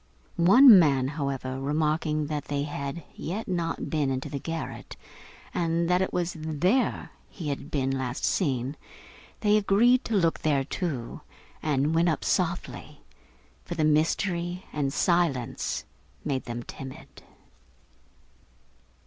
One man, however, remarking that they had not yet been into the garret, and that it was there he had been last seen, they agreed to look there too, and went up softly; for the mystery and silence made them timid.